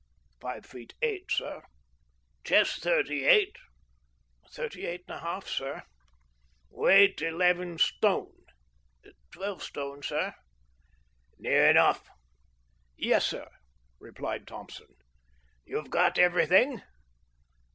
"Five feet eight, sir." "Chest thirty eight." "Thirty eight and a half, sir." "Weight eleven stone nine." "Twelve stone, sir." "Near enough." "Yes, sir," replied Thompson. "You've got everything?"